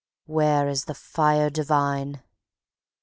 ... Where is the Fire Divine?